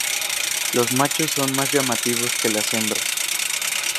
Los machos son más llamativos que las hembras.